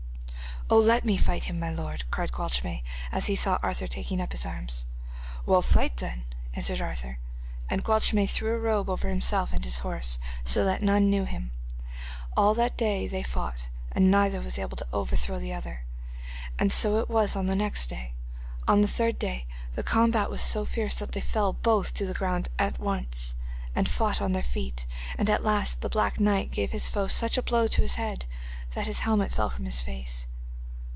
'Oh, let me fight him, my lord,' cried Gwalchmai, as he saw Arthur taking up his arms. 'Well, fight then,' answered Arthur, and Gwalchmai threw a robe over himself and his horse, so that none knew him. All that day they fought, and neither was able to throw the other, and so it was on the next day. On the third day the combat was so fierce that they fell both to the ground at once, and fought on their feet, and at last the black knight gave his foe such a blow on his head that his helmet fell from his face.